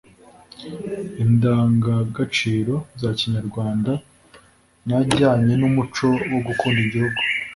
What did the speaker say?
indangagaciro za Kinyarwanda n’ajyanye n’umuco wo gukunda igihugu